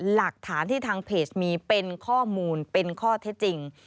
หลักฐานที่ทางเพจมีเป็นข้อมูลเป็นข้อเท็จจริง